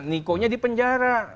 nikonya di penjara